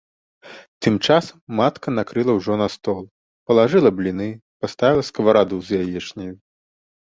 Тым часам матка накрыла ўжо стол, палажыла бліны, паставіла скавараду з яечняю.